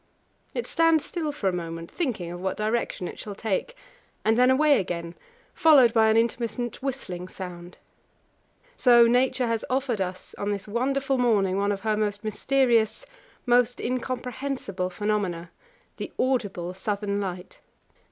It stands still for a moment, thinking of what direction it shall take, and then away again, followed by an intermittent whistling sound. So Nature has offered us on this wonderful morning one of her most mysterious, most incomprehensible, phenomena the audible southern light.